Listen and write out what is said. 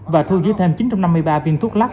và thu giữ thêm chín trăm năm mươi ba viên thuốc lắc